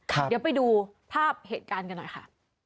เดี๋ยวไปดูภาพเหตุการณ์กันหน่อยค่ะ